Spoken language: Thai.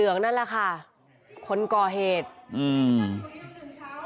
เจ้าหน้าที่สารคุมตัวฝากหังเอาไว้ที่สาร